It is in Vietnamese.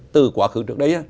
từ quá khứ trước đây